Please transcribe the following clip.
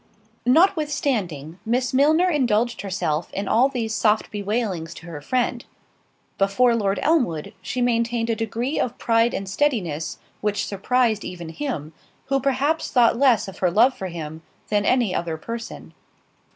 Notwithstanding Miss Milner indulged herself in all these soft bewailings to her friend—before Lord Elmwood she maintained a degree of pride and steadiness, which surprised even him, who perhaps thought less of her love for him, than any other person.